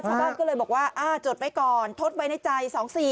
ชาวบ้านก็เลยบอกว่าจดไว้ก่อนทดไว้ในใจ๒๔๔